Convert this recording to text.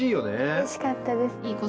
うれしかったです。